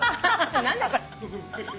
何だこれ。